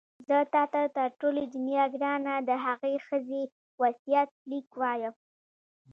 زه تا ته تر ټولې دنیا ګرانه د هغې ښځې وصیت لیک وایم.